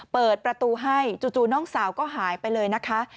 เปิดประตูให้จู่น้องสาวก็หายไปเลยนะคะ